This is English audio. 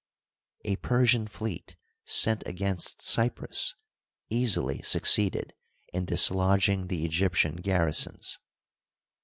A Persian fleet sent against Cyprus easily succeeded in dislodging the Egyptian garrisons.